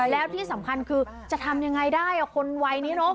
แล้วที่สำคัญคือจะทำยังไงได้คนวัยนี้เนอะ